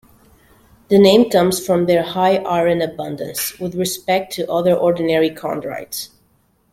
The name comes from their High iron abundance, with respect to other ordinary chondrites.